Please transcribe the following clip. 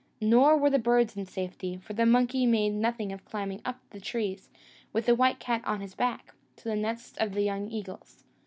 Nor were the birds in safety; for the monkey made nothing of climbing up the trees, with the white cat on his back, to the nests of the young eagles.